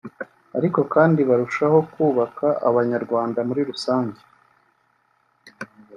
ariko kandi barushaho kubaka abanyarwanda muri rusange